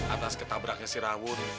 atas ketabraknya si rawun